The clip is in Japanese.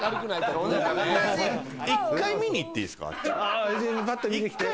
１回、見に行っていいですか？